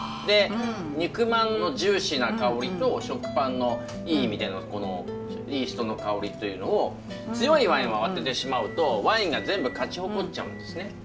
肉まんのジューシーな香りと食パンのいい意味でのイーストの香りというのを強いワインを合わせてしまうとワインが全部勝ち誇っちゃうんですね。